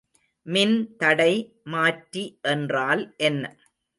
மின்தடை மாற்றி என்றால் என்ன?